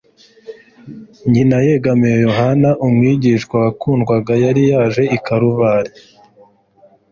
Nyina yegamiye Yohana umwigishwa wakundwaga yari yaje i Kaluvari